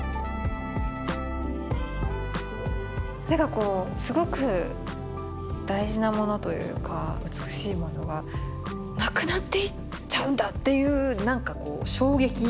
こうすごく大事なものというか美しいものがなくなっていっちゃうんだっていうなんかこう衝撃。